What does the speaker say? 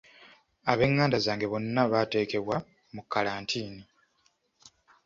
Abenganda zange bonna baateekebwa mu kkalantiini.